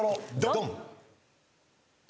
ドン！